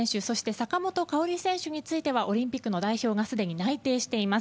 坂本花織選手についてはオリンピックの代表がすでに内定しています。